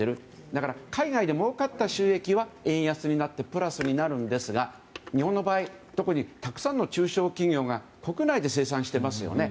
だから、海外でもうかった収益は円安になってプラスになるんですが日本の場合、特にたくさんの中小企業が国内で生産してますよね。